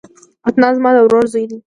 عدنان زما د ورور زوی دی